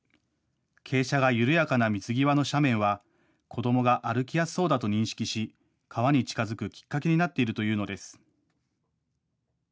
傾斜が緩やかな水際の斜面は子どもが歩きやすそうだと認識し川に近づくきっかけになっているというのです。